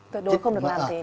tự đối không được làm thế